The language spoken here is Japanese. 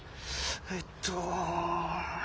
えっと。